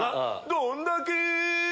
「どんだけ」。